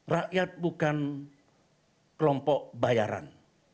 rakyat bukan kelompok bayaran